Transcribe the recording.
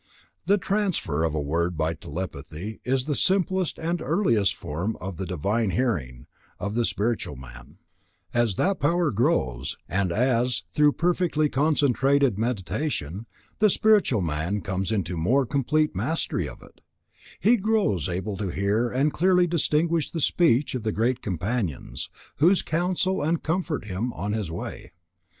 The transfer of a word by telepathy is the simplest and earliest form of the "divine hearing" of the spiritual man; as that power grows, and as, through perfectly concentrated Meditation, the spiritual man comes into more complete mastery of it, he grows able to hear and clearly distinguish the speech of the great Companions, who counsel and comfort him on his way.